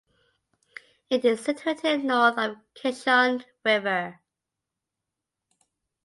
It is situated north of Kishon River.